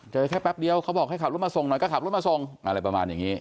แค่แป๊บเดียวเขาบอกให้ขับรถมาส่งหน่อยก็ขับรถมาส่งอะไรประมาณอย่างนี้